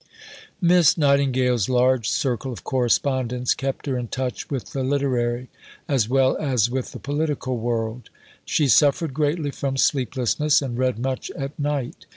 Miss Nightingale's large circle of correspondents kept her in touch with the literary, as well as with the political, world. She suffered greatly from sleeplessness and read much at night.